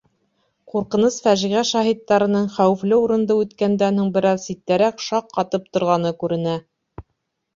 Ҡурҡыныс фажиғә шаһиттарының хәүефле урынды үткәндән һуң бер аҙ ситтәрәк шаҡ ҡатып торғаны күренә.